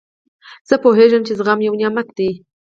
زه پوهېږم، چي زغم یو نعمت دئ.